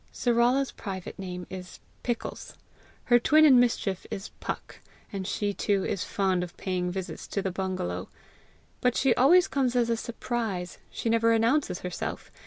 Sarala's private name is Pickles. Her twin in mischief is Puck, and she, too, is fond of paying visits to the bungalow. But she always comes as a surprise; she never announces herself.